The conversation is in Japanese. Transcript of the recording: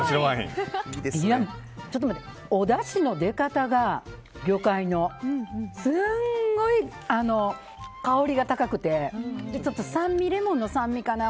ちょっと待って、おだしの出方が魚介の、すごい香りが高くて酸味、レモンの酸味かな。